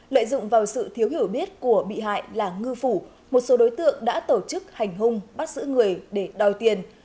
lợi dụng vào sự thiếu hiểu biết của bị hại là ngư phủ một số đối tượng đã tổ chức hành hung bắt giữ người để đòi tiền